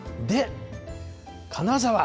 で、金沢。